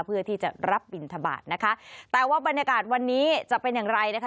เพื่อที่จะรับบินทบาทนะคะแต่ว่าบรรยากาศวันนี้จะเป็นอย่างไรนะคะ